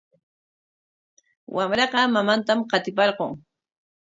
Wamraqa mamantam qatiparqun.